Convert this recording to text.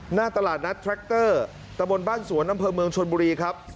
หน้าตลาดนัดแทรคเตอร์ตะบนบ้านสวนอำเภอเมืองชนบุรีครับ